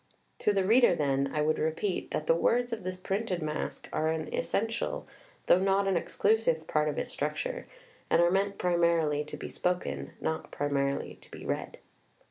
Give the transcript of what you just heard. To the reader, then, I would repeat, that the words of this printed Masque are an essential, though not an ex clusive, part of its structure, and are meant primarily to be spoken, not primarily to be read.